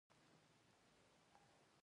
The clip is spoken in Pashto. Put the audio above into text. دین هغه تفسیر ته ورګرځېدل دي.